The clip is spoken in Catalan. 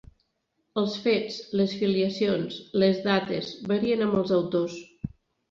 Els fets, les filiacions, les dates, varien amb els autors.